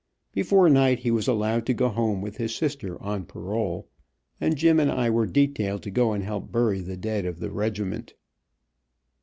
Before night he was allowed to go home with his sister on parole, and Jim and I were detailed to go and help bury the dead of the regiment.